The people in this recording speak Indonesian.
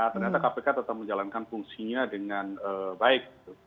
ternyata kpk tetap menjalankan fungsinya dengan baik